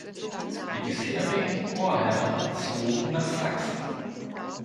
Die bisherigen Chorherren zogen nach Sachsen.